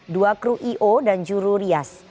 dua kru io dan juru rias